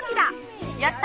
やった！